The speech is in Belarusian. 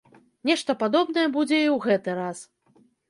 Нешта падобнае будзе і ў гэты раз.